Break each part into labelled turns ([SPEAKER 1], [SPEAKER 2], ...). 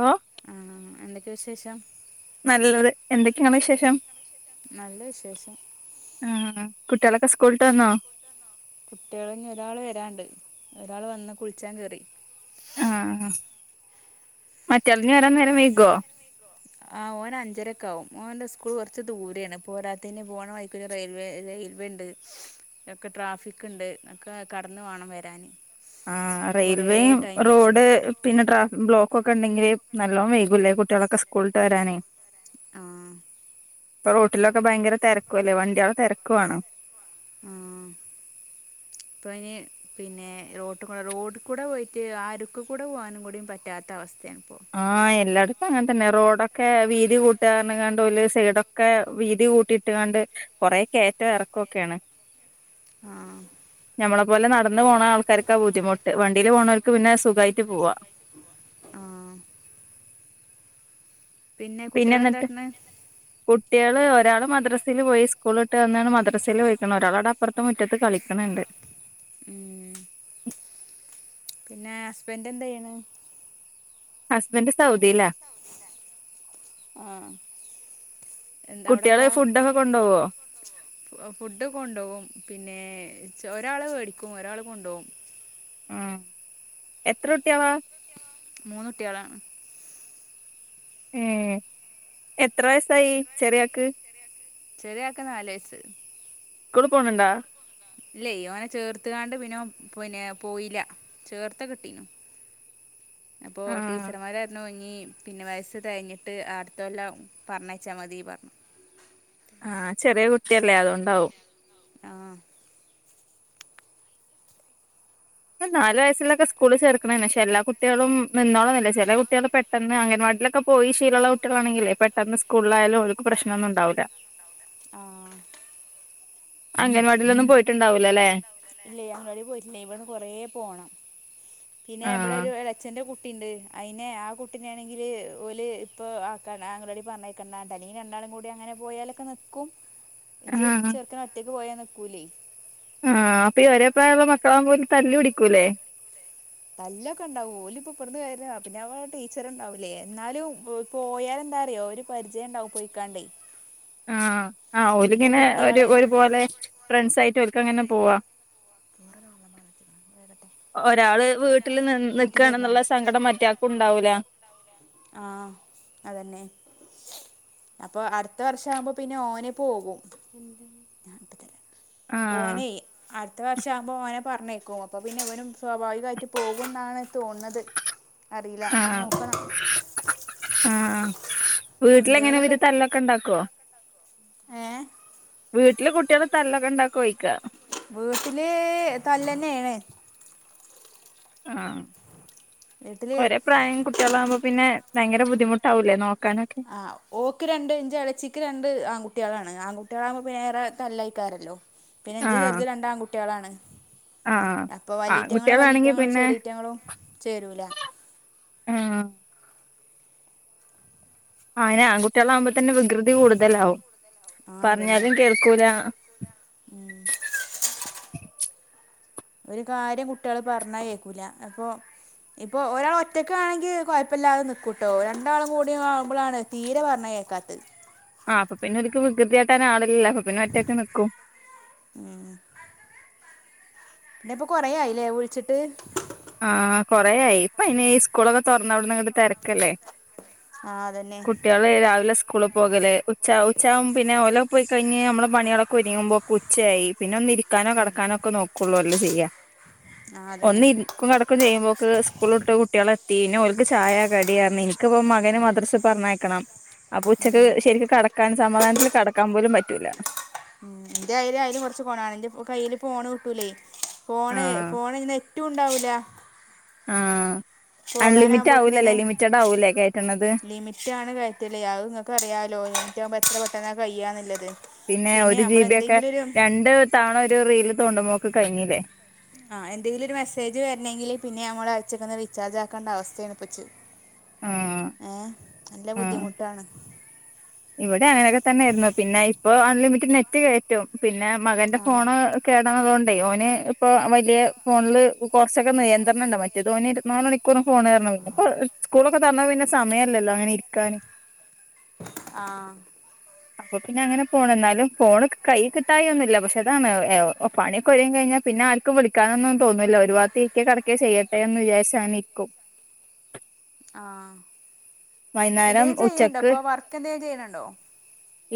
[SPEAKER 1] ഓ
[SPEAKER 2] ആ എന്തൊക്കെയ വിശേഷം.
[SPEAKER 1] നല്ലത് എന്തൊക്കെയാണ് വിശേഷം
[SPEAKER 2] നല്ല വിശേഷം
[SPEAKER 1] ആ. കുട്ട്യേളൊക്കെ സ്ക്കൂൾട്ട് വന്നോ.
[SPEAKER 2] കുട്ട്യേൾ ഇനി ഒരാള് വരാണ്ട് ഒരാൾ വന്ന് കുളിച്ചാൻ കേറി.
[SPEAKER 1] ആ മറ്റാൾനി വരാൻ നേരം വൈകോ.
[SPEAKER 2] ആ ഓൻ അഞ്ചരൊക്ക ആകും ഓന്റെ സ്കൂൾ കൊറച്ച് ദൂരെയാണ് പോരാത്തെന് പോണ വഴിക്കൊരു റെയിൽവേ റെയിൽവേ ഇണ്ട് ഒക്കെ ട്രാഫിക് ഇണ്ട് ഒക്കെ കടന്ന് വേണം വരാന്.
[SPEAKER 1] ആ റെയിൽവേയും
[SPEAKER 2] പിടിച്ചു
[SPEAKER 1] റോഡ് പിന്നെ ട്രാഫിക് ബ്ലോക്ക് ഒക്കെ ഇണ്ടെങ്കില് നല്ലോം വൈകുലേ. കുട്ട്യേളൊക്കെ സ്കൂളിട്ട് വരാനേ.
[SPEAKER 2] ആ.
[SPEAKER 1] ഇപ്പ റോട്ടിലൊക്കെ ഭയങ്കര തിരക്കുംല്ലേ വണ്ടിയേളെ തിരക്കുവാണ്.
[SPEAKER 2] ആ.
[SPEAKER 1] [unintelligible]
[SPEAKER 2] ഇപ്പ അയിന് പിന്നെ റോട്ട് കൂടെ റോഡ്ക്കൂടെ പോയിട്ട് അരുക്ക് കൂടെ പോവാനും കൂടി പറ്റാത്ത അവ
[SPEAKER 1] ആ എല്ലാട് അങ്ങനെ തന്നെ റോഡൊക്കെ വീതി കൂട്ടാ [unintelligible] ഓല് സൈഡൊക്കെ വീതി കൂട്ടിയിട്ട്ങ്ങാണ്ട്. കൊറെ കേറ്റം ഇറക്കൊക്കെയാണ്
[SPEAKER 2] ആഹ്
[SPEAKER 1] ഞമ്മളെ പോലെ നട ന്ന് പോണ ആൾക്കാർക്ക ബുദ്ധിമുട്ട് വണ്ടിൽ പോണോർക്ക് പിന്നെ സുഖായിട്ട് പോവാ.
[SPEAKER 2] ആഹ് പിന്നെ കുട്ടികളെന്താക്ക്ണ്.
[SPEAKER 1] കുട്ട്യേൾ ഒരാൾ മദ്രസിൽ പോയി സ്കൂളിട്ട് വന്നാണ്ട് മദ്രസിൽ പോയിക്ക്ണ് ഒരാള് അവ്ടെ അപ്പൊറത്ത് മുറ്റത്ത് കളിക്ക്ണ്ണ്ണ്ട്.
[SPEAKER 2] ഉം. പിന്നെ ഹസ്ബെന്റ് എന്തെയ്യ്ണ്.
[SPEAKER 1] ഹസ്ബെന്റ് സൗദീലാ.
[SPEAKER 2] ആ. എന്താ അവിടെ
[SPEAKER 1] കുട്ടികള്
[SPEAKER 2] എന്താ,
[SPEAKER 1] ഫുഡൊക്കെ കൊണ്ടോവോ
[SPEAKER 2] ഫുഡ് കൊണ്ടോവും പിന്നെ. ഒരാള് വേടിക്കും ഒരാൾ കൊണ്ടോവും.
[SPEAKER 1] ആ എത്ര കുട്ട്യേളാ.
[SPEAKER 2] മൂന്ന് കുട്ട്യേളാണ്.
[SPEAKER 1] ഉം എത്ര വയസായി ചെറിയക്ക്
[SPEAKER 2] ചെറിയാക്ക് നാല് വയസ്
[SPEAKER 1] സ്കൂള് പോണണ്ടാ
[SPEAKER 2] ഇല്ലേ ഓനെ ചേർത്തുകാണ്ട് പിന്നോ പിന്നെ പോയില്ല ചേർത്ത കിട്ടീനു
[SPEAKER 1] [unintelligible]
[SPEAKER 2] അപ്പൊ
[SPEAKER 1] ആഹ്
[SPEAKER 2] ടീച്ചർമാരും പറഞ്ഞു ഇനി പിന്നെ വയസ്സ് തകഞ്ഞ്ഞിട്ട് ആടുത്തല്ലാം പറഞ്ഞച്ച മതി പറഞ്ഞു
[SPEAKER 1] ആഹ ചെറിയ കുട്ടിയല്ലേ അതൊണ്ടാവും
[SPEAKER 2] ആഹ്
[SPEAKER 1] നാല് വയസ്സിലൊക്കെ സ്കൂള് ചേർക്കണ് പക്ഷെ എല്ലാ കുട്ടികളും നിന്നോളന്നില്ല ചില കുട്ടികള് പെട്ടെന്ന് അങ്ങനെ വാട്ടിലൊക്കെ പോയി ശീമുള്ള കുട്ടികാണെങ്കെ പെട്ടന്ന് സ്കൂളിലായയാലും അവൾക്ക് പ്രശ്നംൊന്നും ഉണ്ടാവില്ല
[SPEAKER 2] ആ
[SPEAKER 1] അംഗൻവാടിലൊന്നും പോയിട്ടുണ്ടാവില്ലോ
[SPEAKER 2] ഇല്ല അംഗൻവാടി പോയിട്ടില്ലേ ഇവിടെന്ന് കൊറേ പോണം പിന്നെ ഇവിടെ
[SPEAKER 1] ആഹ്
[SPEAKER 2] ഒരു അച്ന്റെ കുട്ടി കുട്ടിയണ്ട് അയിെ ആ കുട്ടിനൊണെങ്കില് ഓല് ഇപ്പ ആ അംഗവാടി പറഞ്ഞക്ക അല്ലെങ്കിൽ രണ്ടാ കൂടി അങ്ങനെ പോയാലൊക്കെ നക്കും ഇഞ്ച്
[SPEAKER 1] ആഹ്
[SPEAKER 2] ചെർക്കൻ വട്ടിക്ക് പോയാ നക്കൂല്ലേ
[SPEAKER 1] ആഹ് അപ്പൊ ഒരെ പ്രായ മക്കളാകൻ പോലും തല്ലല് പിടിക്കൂല്ലേ
[SPEAKER 2] തല്ലൊക്കെ ഉണ്ടാവൂ ല ഇപ്പ ഇപ്പടന്ന് കയ പിന്നെ അവ ടീച്ചർണ്ടാവൂലേ എന്നാലും പോയാല എന്താറിയോ ഒരു പരിചയംണ്ടാവും പോയിക്കാണ്ടേ
[SPEAKER 1] ആ ആഹ്
[SPEAKER 2] ഇതിപ്പോൾ
[SPEAKER 1] ഒരിങ്ങനെ ഒരു
[SPEAKER 2] കുട്ടിയാള്
[SPEAKER 1] ഒരുപോലെ ഫ്രണ്ട്സയിട്ട് ഓക്ക് അങ്ങനെ പോവാ ഒരാള് വീട്ടില് നി
[SPEAKER 2] ഊട്ടി തരണോ
[SPEAKER 1] നിക്കണെന്നുള്ള സങ്കടം മറ്റയാൾക്കും ഉണ്ടാവൂല
[SPEAKER 2] ആ അതന്നെ അപ്പൊ അടുത്ത വർഷം ആവുമ്പോ പിന്നെ ഓനെ പോകും
[SPEAKER 1] ആഹ്
[SPEAKER 2] ഓനെ അടുത്ത വർഷ ആകുമ്പോ ഓനെ പറഞ്ഞേക്കും അപ്പോൾ പിന്നെ ഇവരും സ്വാഭാവികമായിട്ട് പോകുമെന്നാണ് തോന്നത് അറിയില്ല ഇനി
[SPEAKER 1] ആഹ്
[SPEAKER 2] നോക്കണം
[SPEAKER 1] വീട്ടില് എങ്ങനെ
[SPEAKER 2] എന്തെങ്കിലുമൊക്കെ
[SPEAKER 1] ഒരു തല്ലൊക്കെ ഉണ്ടാക്കുവോ
[SPEAKER 2] ഏ
[SPEAKER 1] വീട്ടില് കുട്ടികള് തല്ലൊക്കെ ഉണ്ടാക്കൊ കോഴിക്കാ
[SPEAKER 2] വീട്ടില് തല്ലന്നെ ആണേ
[SPEAKER 1] ആ
[SPEAKER 2] വീട്ടില്
[SPEAKER 1] ഒരേ പ്രായം കുട്ടികളാകുമ്പോ പിന്നെ ഭയര ബുദ്ധിമുട്ടാവില്ലേ നോ
[SPEAKER 2] ആഹ് ഓക്ക് രണ്ട് ഇഞ്ച ഇലച്ചിക്ക് രണ്ട് ആൺ കുട്ടികളാണ് ആൺുട്ടികളാവക്പോന്നെേറെ നല്ലായിക്കാരല്ലോ പിന്നെ എഞ്ചച് ചേർത് രണ്ട് ആൺകുട്ടികളാണ്
[SPEAKER 1] ആ
[SPEAKER 2] അപ്പൊ
[SPEAKER 1] ആ ആൺ
[SPEAKER 2] വല്ലിറ്റങ്ങളും
[SPEAKER 1] കുട്ടികളാണെങ്കി
[SPEAKER 2] വല്ലിറ്റങ്ങളും
[SPEAKER 1] പിന്നെ
[SPEAKER 2] ചെറിയറ്റങ്ങളും ചേരൂല
[SPEAKER 1] ആ ആയ്നെ ആൺ കുട്ടികൾ അമ്പം തന്നെ വികൃതി കൂടുതലാവും
[SPEAKER 2] ആ അതന്നെ
[SPEAKER 1] പറഞ്ഞാലും കേൾക്കൂല
[SPEAKER 2] ഒരു കാര്യം കുട്ടികള് പറഞ്ഞാ കേക്കൂല അപ്പൊ ഇപ്പൊ ഒരാൾ ഒറ്റക്കാണെങ്കിൽ കുഴപ്പല്ലാതെ നിക്കൂട്ടോ രണ്ടാളും കൂടി കാവുമ്പോഴാണ് തീരെ പറഞ്ഞ കേക്കാത്തത്
[SPEAKER 1] ആഹ് അപ്പ പിന്നെ ഒരിക്ക് വികൃതിയാട്ടാൻ ആളില്ലല്ലോ ഇപ്പപിന്നെ ഓറ്റക്ക് നിക്കും
[SPEAKER 2] ഉം പിന്നെ ഇപ്പൊ കൊറയായില്ലേ വിളിച്ചിട്ട്
[SPEAKER 1] ആ കൊറേയായി ഇപ്പൊ ഇനി ഈ സ്കൂളൊക്കെ തുറന്ന് അവിടുന്ന് തിരക്കല്ലേ
[SPEAKER 2] ആ അതന്നെ
[SPEAKER 1] കുട്ടികള് രാവിലെ സ്കൂളി പോകലേ ഉച്ച ഉച്ചാവും പിന്നെഓല പോയി കഴിഞ്ഞ് നമ്മെ പണികൊക്കെ ഒരുങ്ങുമ്പോക്കെ ഉച്ചയായി പിന്നെ ഒന്ന് ഇരി നക്കാനോ കടക്കാനോ ഒക്കെ നോക്കുള്ളൂ അല്ലേ ചെയ്യാ
[SPEAKER 2] ആ അതന്നെ
[SPEAKER 1] കടക്ക ചെയുമ്പോക്ക് സ്കൂളിട്ട് കുട്ടികളെ തീന ഓൾക്ക് ചായ കടിയായിന്ന് എനിക്കിപ്പ മകന് മദ്ര പറഞ്ഞേക്കണം അപ്പൊ ഉച്ചക്ക്
[SPEAKER 2] ഉം
[SPEAKER 1] ശെരിക്കും കടക്കാൻ സമാധാനത്തി കടക്കാൻ പോലും പറ്റൂല
[SPEAKER 2] ഉ എന്റെ കയ്ൽ ആയാലും കുറച്ച് കോണാണ് എന്റെ കയ്യിൽ ഫോണ് കിട്ടൂലേ ഫോണ്
[SPEAKER 1] ആഹ്
[SPEAKER 2] ഫോണ് ഇങ്ങാനെ നെറ്റും ഉണ്ടാവില്ല
[SPEAKER 1] ആ അൺലിമിറ്റഡ് ആവലല്ലേ ലിമിറ്റഡ് ആവൂലേ കെ
[SPEAKER 2] ലിമിറ്റ ആണ് കയറ്റല്ലേ അത് നിങ്ങക്ക് അറിയാലോ ലിറ്റ് ആവുമ്പോ എത്ര പെട്ടെന്ന് കയ്യാന്നുള്ളത്
[SPEAKER 1] പിന്നെ ഒരു ജി ബി ഒക്കെ രണ്ട് തവണ ഒരു റീൽ തോണ്ട്പോക്ക് കഴിഞ്ഞില്ലേ
[SPEAKER 2] ആ എന്തെങ്കിലും ഒരു മെസ്സേജ് വരണെങ്കിൽ പിന്നെ ഞമ്മൾ അയച്ചക്കന്ന് റീചാർജ് ആക്കേണ്ട അവസ്ഥയാണ് ഇപ്പച്ച്
[SPEAKER 1] ആഹ്
[SPEAKER 2] ഏ നല്ല
[SPEAKER 1] ആഹ്
[SPEAKER 2] ബുദ്ധിമുട്ടാണ്
[SPEAKER 1] ഇവിടെ അങ്ങനെയൊക്കെ തന്നെയായിരുന്നു പിന്നെ ഇപ്പൊ അൺലിമിറ്റഡ് നെറ്റ് കയറ്റും പിന്നെ മകന്റെ
[SPEAKER 2] ആ
[SPEAKER 1] ഫോണ് കേടണതൊണ്ട് ട് ഓന് ഇപ്പൊ വലിയ ഫോണില് കുറച്ചൊക്കെ നിയന്ത്രണം ഉണ്ട് മറ്റേത് ഓന് ഇരവാനാല് മണിക്കൂറും ഫോണ് തെരനൊന്ന് ഇപ്പ സ്കൂളൊക്കെ തരന്ന പിന്നെ സമയമല്ലല്ലോ അങ്ങനെ ഇരിക്കാാന്
[SPEAKER 2] ആ
[SPEAKER 1] അപ്പൊ പിന്നെ അങ്ങനെ പോണ് എന്നാലും ഫോണ് കൈ കിട്ടായി ഒന്നുമില്ല പക്ഷെ അതാ പണിയൊക്കെ ഒഴികഴിഞ്ഞാ പിന്നെ ആർക്കും വിളിക്കാനൊന്നും തോന്നൂല്ല ഒരുഭാത്ത ഇരികെ കടക്ക ചെയ്യട്ടെ എന്ന് വിചാരിച്ച് അങ്ങനെ ഇരിക്കും
[SPEAKER 2] ആ എന്തേ
[SPEAKER 1] വൈകുന്നേരം
[SPEAKER 2] ചെയ്യണ്ടോ
[SPEAKER 1] ഉച്ചക്ക്
[SPEAKER 2] ഇപ്പൊ വർക്ക് എന്തെ ചെയുന്നുണ്ടോ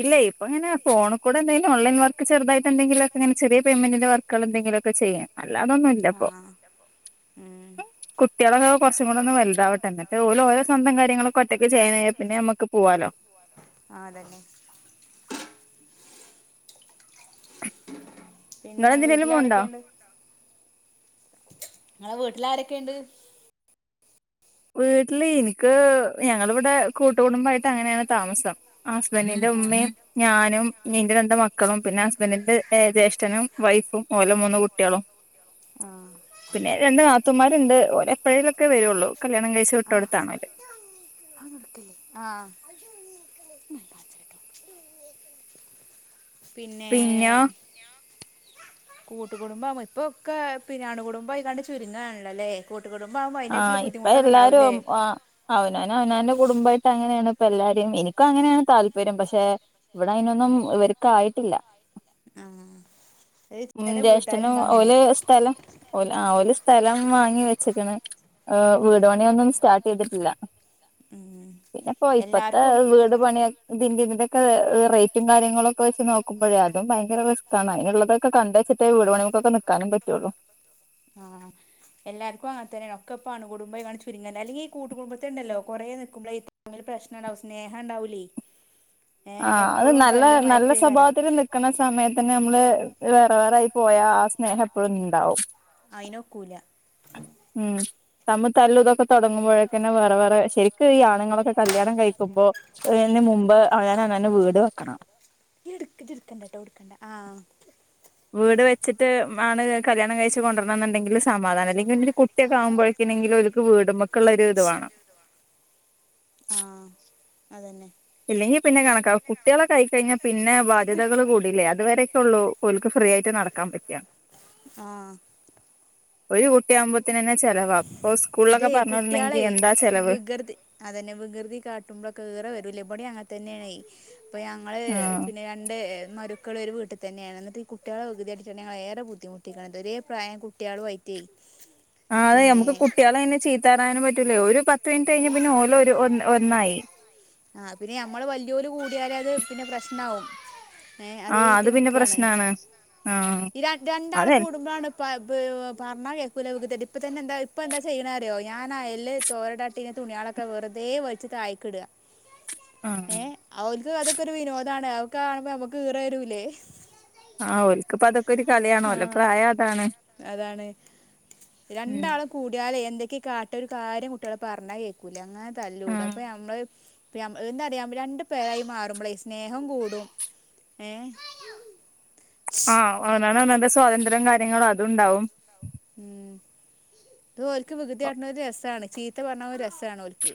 [SPEAKER 1] ഇല്ല ഇപ്പ ഇങ്ങനെ ഫോണൂ എന്താലും ഓൺലൈൻ വക്ക് ചെറുതായിട്ട എന്തെിലെെിയ പയ്മെന്റിന്റെ വർക്കുക എന്തെങ്കും എൊക്കെ ചെയ്യ
[SPEAKER 2] ആ
[SPEAKER 1] അല്ലാതൊന്നുംല്ലപ്പൊ
[SPEAKER 2] ഉം
[SPEAKER 1] കുട്ടികളൊക്കെ കുറച്ചുംൂ ഒന്നന്ന് വലുതാവട്ട എന്നന്നട്ട് ഓോരോസ്വന്തം കാര്യങ്ങളും ഒറ്റയ്ക്ക് ചെയ്യൻഴാൽ പിന്നെ നമ്മുക്ക് പോവാാലോ
[SPEAKER 2] ആഹ അതന്നെ
[SPEAKER 1] നിങ്ങള്
[SPEAKER 2] പിന്നെ
[SPEAKER 1] എന്തിനേലും പോണുണ്ടോ
[SPEAKER 2] വീട്ടിലടക്കണ്ട് നിങ്ങെ വീട്ട എല്ലാരൊക്കെയ ഉണ്ട്
[SPEAKER 1] വീട്ടില് എനിക്ക് ഞങ്ങളിവിടെ കൂട്ടുകുടുംബയിട്ട് അങ്ങനെയാണ് താമസം ഹസ്ബറിന്റെ
[SPEAKER 2] ആ
[SPEAKER 1] ഉമ്മയും ഞാനും നീന്റെ രണ്ട്ു മക്കളും പിന്നെ ഹസ്ബൻഡിന്റെ ജ്യേഷ്ഠനും വൈഫും ഓലെ മൂന്ന് കുട്ടികളും
[SPEAKER 2] ആ
[SPEAKER 1] പിന്നെ രണ്ട് നാതൂ മാരുണ്ട് ഒഓരപ്പഴയിലൊക്കെ വരുള്ളൂ കല്യാണം കഴിച്ച വിട്ടോടിത്തനോൽ
[SPEAKER 2] ആ പിന്നെ കൂട്ടുകടുംബം ഇപ്പൊക്കെ പിന്നെ അണു കുടുംബംയിക്കാണ്ട് ചുരുങ്ങാണല്ലല്ലേ
[SPEAKER 1] ആഹ ഇപ്പൊ എല്ലാരും ആ അവനാനും അവനാനന്റെ കുടുംബമായിട്ട് അങ്ങനെയാണ് ഇപ്പ എല്ലാരും എനിക്കും അങ്ങനെയാണ് താല്പര്യം പക്ഷെ ഇവിടെ ഐനൊന്നും ഇവർക്ക ആായിട്ടില്ല
[SPEAKER 2] ആഹ് അത്
[SPEAKER 1] ഉ
[SPEAKER 2] ചില
[SPEAKER 1] ജ്യേഷ്ഠനും
[SPEAKER 2] വീട്ടുകാരുണ്ട് അങ്ങനെ
[SPEAKER 1] ഓല സ്ഥലംഓ ആല സ്ഥലം വാങ്ങി വെച്ചിട്ടണ് വീടപണിൊന്നും സ്റ്റാർട്ട് ചെയ്തിട്ടില്ല
[SPEAKER 2] ഉം
[SPEAKER 1] പിന്നെപ്പോൊ ഇപ്പത്തെ
[SPEAKER 2] എല്ലാർക്കും
[SPEAKER 1] വീട് പണിയ ഇതിന്റെ ഇതിന്റെറെൊക്ക റേറ്റും കാര്യങ്ങളൊക്കെച്ച് നോക്കുമ്പോഴേ അതും ഭയങ്ക റിസ് ആാണ് അതിനുള്ളതൊക്കെ കണ്ട ഇത്തെ വീട് പണിക്കെക്കാനും പറ്റുള്ളൂ
[SPEAKER 2] ആഹ് എല്ലാർക്കും അങ്ങന തന്നെയാണ് ഒക്കെപ്പണ് കുടുംബ കാ ചുരുങ്ങല്ല അല്ലങ്ക ഈ കൂട്ട കുടുംബത്തണ്ടല്ലോ കൊറെ നിൽക്കുമ്പോൾ ഈ തമിൽ പ്രശ്നംുണ്ടാവും സ്നേഹം ഉണ്ടാവലേ
[SPEAKER 1] ആ അത് നല്ല നല്ല സ്വഭാവത്തിൽ നക്കണ സമയത്തന്നെ നമ്മള് വേറെ വേറൊയി പോയാ ആ സ്നേഹം എപ്പോഴും ഉണ്ടാവും
[SPEAKER 2] അയിനോക്കൂല
[SPEAKER 1] നമ്മ തല്ലു ഇതൊക്കെ തുടങ്ങ്പോഴക്കന്നെ വേറെ വേറെ ശരിക്കും ഈ ആണുങ്ങളൊക്കെ കല്യാണം കഴിക്കുമ്പോ് ആ ഞാന അെ വീട് വെക്കണം
[SPEAKER 2] ആഹ
[SPEAKER 1] വീട് വെച്ചിട്ട് ആണ് കല്യാണം കഴിച്ചച്ച് കൊണ്ടുവരണം എന്നുണ്ടെങ്കിൽ സമാധാനം അല്ലെങ്കിൽരു കുട്ടിയൊക്കെ ആുമ്പോഴേക്കണെങ്കിൽ അവക്ക് വീടുമ്മൊക്കള്ള ഒരു ഇത് വേണം
[SPEAKER 2] ആ അതന്നെ.
[SPEAKER 1] ഇനി പിന്നെ കണക്ക കുട്ടികളെ ക്കെ ആയി കഴിഞ്ഞാൽ പിന്നെ ബാധ്യതകൾ കൂടല്ലേ? അത് വരെ ഒക്കെ ഉള്ളു. ഓല്ക്ക് ഫ്രീയായിട്ട് നടക്കാൻ പറ്റുക.
[SPEAKER 2] ആ
[SPEAKER 1] ഒരുകുട്ടി ആകു ത്തേ തന്നെ ചെലവാ അപ്പൊ
[SPEAKER 2] ഇതേ
[SPEAKER 1] സ്കൂളിലൊക്കെ പറഞ്ഞു
[SPEAKER 2] കുട്ടികളെ
[SPEAKER 1] വിടണമെങ്കി എന്താ ചെലവ്?
[SPEAKER 2] ഈ റെ വരൂല്ലേ? ഇവിടെയുംങ്ങനെ തന്നെണ് അപ്പ ഞങ്ങള്
[SPEAKER 1] ആഹ്
[SPEAKER 2] പിന്നെ രണ്ട് മരുക്കൾ ഒരു വീട്ടിൽ തന്നെയാണ്. എന്നിട്ട് കുട്ടികളെ വിചാരിച്ചാണ് ഞങ്ങള ഏറെ ബുദ്ധിമുട്ടിക്കുന്നത്. ഒരേ പ്രായം കുട്ടികളുംആയിട്ട്
[SPEAKER 1] ആ അതെ നമുക്ക് കുട്ടികളെ അങ്ങനെ ചീത്ത പറയാനും പറ്റ് പറ്റൂല. ഒരു പത്ത് മിനിറ്റ് കഴിഞ്ഞ പിന്നെ ഓലോ ഒന്നായി.
[SPEAKER 2] ആ പിന്നെ ഞമ്മള് വലിയവര് കൂടിയാല് അത് പിന്നെ പ്രശ്നമാവും.
[SPEAKER 1] ആ അത് പിന്നെ പ്രശ്നാണ്. ആ
[SPEAKER 2] രണ്ടാൾ
[SPEAKER 1] അതെ
[SPEAKER 2] കൂടുമ്പോഴാണ് പറഞ്ഞ കേ കുലവ് ഇപ്പന്നെ എന്താ ഇപ്പ എന്താ ചെയ്യണറിയോ ഞാന അയല് തോരടനിട്ടീ തുണികളൊക്കെ വെറുതെവലിച്ച് താഴെ താഴെക്കിട്ടുക.
[SPEAKER 1] ആ
[SPEAKER 2] ഏ അവൾക്ക് അതൊക്കെ ഒരു വിനോദമാണ്. അവക്ക് കാണുമ്പ നമ്മക്ക് ഈ റെ വരുലേ?
[SPEAKER 1] ആ ഓൾകിപ്പ അതൊക്കെ ഒരു കളിയാണ്. ഓല്ടെ പ്രായം അതാണ്.
[SPEAKER 2] അതാണ്.
[SPEAKER 1] ഉം
[SPEAKER 2] രണ്ടാള് കൂടിയാ എന്തൊക്കെയ കാട്ടൊ ഒരു കാര്യം കുട്ടികളെ പറഞ്ഞാ കേക്കൂലേ അങ്ങനെ
[SPEAKER 1] ആ
[SPEAKER 2] തല്ലൂട അപ്പൊ നഞമ്മള് എന്താറിയാവോ രണ്ടു പേരായി മാറുമ്പളെ സ്നേഹം കൂടും. ഏ?
[SPEAKER 1] ആ അവനോന് അവനോന്റെ സ്വാതന്ത്ര്യം കാര്യങ്ങളും അതുണ്ടാവും.
[SPEAKER 2] ഉം. ഇത് ഓക്ക് വികൃതി കാട്ടെണെഒരു രസമാണ്. ചീത്ത പറഞ്ഞ ഒരു രസമാണ് ഓക്ക്.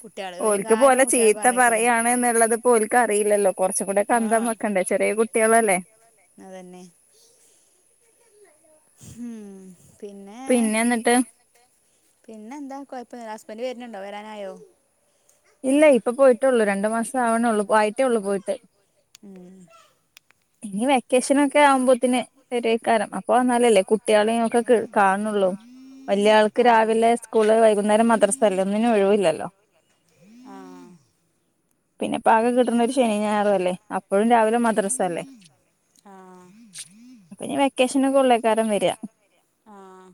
[SPEAKER 2] കു...
[SPEAKER 1] ഓലക്ക് പോലെ ചീത്ത പറയാണ് എന്നുള്ളത് ഇപ്പോ ഓക്ക് അറിയില്ലല്ലോ. കൊറച്ചും കൂടെ ഒക്കെ അന്തം
[SPEAKER 2] ആഹ്
[SPEAKER 1] വെക്കണ്ടേ ചെറിയ കുട്ടികളല്ലേ?
[SPEAKER 2] അതന്നെ. ഉം. പിന്നെ? പിന്നെ എന്താ കൊഴപ്പം. ഹസ്ബൻഡ് വരുന്നുണ്ടോ? വരാനായോ?
[SPEAKER 1] ഇല്ല ഇപ്പ പോയിട്ടുള്ളൂ രണ്ടു മാസം ആവണേള്ളൂ ആയിട്ടേ ഉള്ളൂ പോയിട്ട്.
[SPEAKER 2] ഉം
[SPEAKER 1] ഇനി വെക്കേഷൻ ഒക്കെ ആവുമ്പത്തേക്കിന് വരുവായിരിക്കും. അപ്പൊ വന്നാലല്ലേ കുട്ടികളെയൊക്കെ കാണുന്നുള്ളൂ. വലിയ ആൾക്ക്
[SPEAKER 2] ആഹ്
[SPEAKER 1] രാവിലെ സ്കൂള് വൈകുന്നേരം മദ്രസ അല്ല ഒന്നിനും ഒഴിവില്ലല്ലോ.
[SPEAKER 2] ആ
[SPEAKER 1] പിന്നെ ആകെ കിട്ടണ ഒരു ശനിയും ഞായറും അല്ലേ? അപ്പോഴും രാവിലെ മദ്രസ അല്ലേ?
[SPEAKER 2] ആഹ്
[SPEAKER 1] ഇനി വെക്കേഷനും ഒളളയിക്കാരൻ വരിക.
[SPEAKER 2] ആഹ്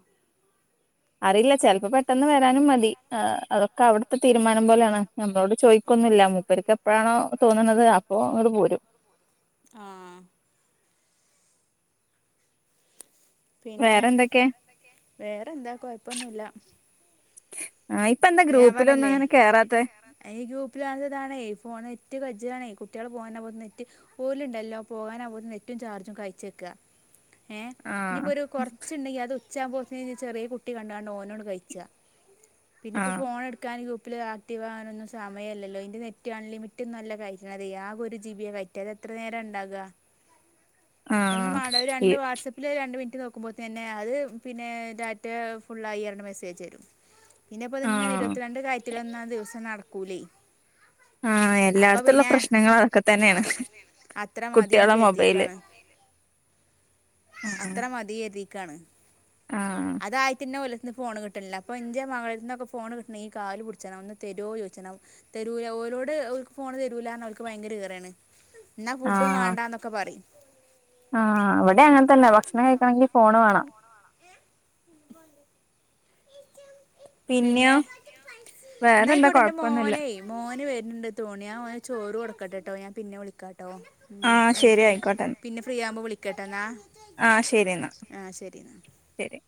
[SPEAKER 1] അറിയില്ല ചെലപ്പോ പെട്ടെന്ന് വരാനും മതി. ആ അതൊക്കെ അവിടുത്തെ തീ തീരുമാനം പോലെയാണ് നമ്മളോട് ചോദിക്കൊന്നുമില്ല മുൂപ്പേർക്ക് എപ്പോഴാണോ തോന്നുന്നത് അപ്പോ ഇങ്ങോട് പോരും. [inaudible] [inaudible]
[SPEAKER 2] ആഹ് പിന്നെ
[SPEAKER 1] വേറെ എന്തൊക്കെ
[SPEAKER 2] വേറെന്താ കോയപ്പമൊന്നുമില്ല.
[SPEAKER 1] ആ ഇപ്പ എന്താ
[SPEAKER 2] ഞാൻ
[SPEAKER 1] ഗ്രൂപ്പിലൊന്നും
[SPEAKER 2] പറഞ്ഞില്ലേ
[SPEAKER 1] അങ്ങനെ കേറാത്തെ
[SPEAKER 2] ഈ ഗ്രൂപ്പിൽതാണേ ഫോൺ ഏറ്റവും കജ്ജാണേ- കുട്ടികൾ പോകാനാ പോ നെറ്റ് ഓലുണ്ടല്ലോ പോകാനാകുമ്പഴത്തേക്ക് നെറ്റും ചാർജും കഴിച്ചെക്കുക. ഏ
[SPEAKER 1] ആ
[SPEAKER 2] ഇനിയിപ്പോ ഒരു കുറച്ചുണ്ടെങ്കി അത് ഉച്ച ആവുമ്പോത്തിന് ചെറിയ കുട്ടി കണ്ടോണ്ട് ഓനോട് കഴിച്ച പിന്നെ
[SPEAKER 1] ആ
[SPEAKER 2] ഇപ്പോ ഫോൺ എടുക്കാൻ പ്പില് ആക്ടീവ്കാനൊന്നും സമയമല്ലോ? നെറ്റ് ആൺലിമിറ്റ ഒന്നുംല്ല കയറ്റണത് ആകെ ഒരു ജി. ബി. യാ കയറ്റ അത് എ എത്ര നേരം ഉണ്ടാകുക?
[SPEAKER 1] [inaudible]
[SPEAKER 2] ഒന്ന് മാട
[SPEAKER 1] ഈ
[SPEAKER 2] രണ്ട് വാട്സആപ്പില് രണ്ട് നോക്കുമ്പോൾ തന്നെ അത് പിനെ ടാറ്റ ഫുള്ളായി എന് മെസ്സേജ് വരും പിന്നെപ്പൊതിങ്ങനെ
[SPEAKER 1] ആ
[SPEAKER 2] ഇരുപത്തിരണ്ട് കയററലൊന്നും ആ ദിവസം നടക്കൂലേ
[SPEAKER 1] ആഹ
[SPEAKER 2] അപ്പൊ
[SPEAKER 1] എല്ലായിടത്തുള്ള
[SPEAKER 2] പിന്നെ
[SPEAKER 1] പ്രശ്നങ്ങള് അതൊക്കെ
[SPEAKER 2] ആ
[SPEAKER 1] തന്നെയാണ്
[SPEAKER 2] അത്ര മതിന്ന്
[SPEAKER 1] കുട്ടികളെ മൊബൈല്
[SPEAKER 2] കരുതിക്കാണ്
[SPEAKER 1] ആഹ്
[SPEAKER 2] അത്ര മതിയതി ആണ് അതായ പിന്നെ ഓൾക്ക് ഫോണ് കിട്ടണില്ല അപ്പൊ എന്റെ മകളെ [unintelligible] ഫോണ് കിട്ടണമെങ്കിൽ കാല് പിടിച്ചണം തരെവോ ചോദിച്ചണം ഫോണ് തരൂല ഓരോട് ഫോണ് തരൂല അവക്ക് ഭയങ്കര ഇറയാണ് എന്നാ ഫുഡും വേണ്ടന്നൊക്കെ പറയും
[SPEAKER 1] ആഹ ഇവിടെ അങ്ങനത്തന്നെ ഭക്ഷണം കഴിക്കണമെങ്കിൽ ഫോണ് വേണം പിന്നെയോ
[SPEAKER 2] പിന്നെ
[SPEAKER 1] വേറെന്താ
[SPEAKER 2] എന്നായിക്കോട്ടേ എന്റെ
[SPEAKER 1] കൊഴപ്പൊന്നുല്ല
[SPEAKER 2] മോനെ മോന് വരുന്നുണ്ട് തോന്നിയ ആ മോനെ ചോറ് കൊടക്ക വിളിക്കട്ടെട്ടോ ഞാൻ പിന്നെ വിളിക്കാം കേട്ടോ
[SPEAKER 1] ആഹ് ശരി
[SPEAKER 2] ഫ്രീ പിന്നെ ഫ്രീ ആവുമ്പോൾ വിളിക്കാംട്ടോ എന്നാൽ
[SPEAKER 1] ആഹ ശരി എന്നാ ശരി